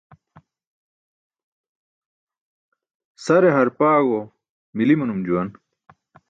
Sare harpaẏo mili manum juwan.